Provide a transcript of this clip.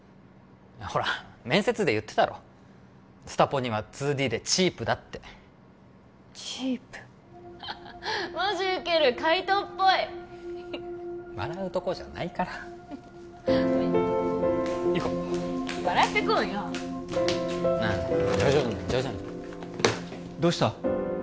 ほら面接で言ってたろスタポニは２Ｄでチープだってチープマジウケる海斗っぽい笑うとこじゃないから行こう笑っていこうようん徐々に徐々にどうした？